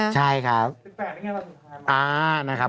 เวสป้าจ๊ะงั้นไงวันสุดท้ายไร